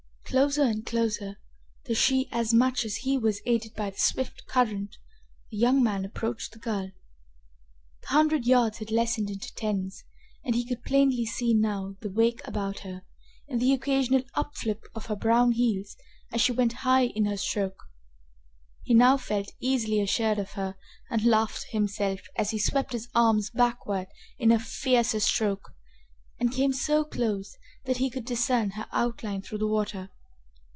Closer and closer, though she as much as he was aided by the swift current, the young man approached the girl. The hundred yards had lessened into tens and he could plainly see now the wake about her and the occasional up flip of her brown heels as she went high in her stroke. He now felt easily assured of her and laughed to himself as he swept his arms backward in a fiercer stroke and came so close that he could discern her outline through the water.